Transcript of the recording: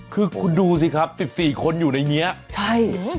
คือคุณดูสิครับสิบสี่คนอยู่ในนี้ใช่